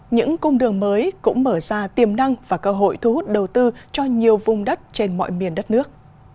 những cung đường mới cũng mở ra tiềm năng và cơ hội thu hút đầu tư cho nhiều vùng đất trên mọi miền đất nước